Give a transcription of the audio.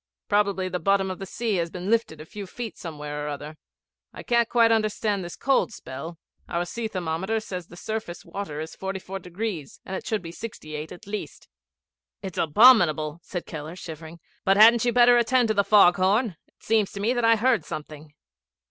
Probably the bottom of the sea has been lifted a few feet somewhere or other. I can't quite understand this cold spell. Our sea thermometer says the surface water is 44°, and it should be 68° at least.' 'It's abominable,' said Keller, shivering. 'But hadn't you better attend to the fog horn? It seems to me that I heard something.'